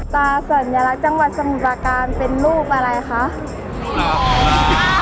ตาสัญลักษณ์จังหวัดสมุทรประการเป็นลูกอะไรคะ